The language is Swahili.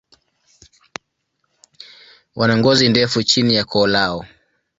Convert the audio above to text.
Wana ngozi ndefu chini ya koo lao.